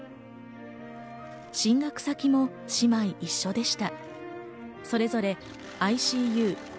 進学先も姉妹一緒でした。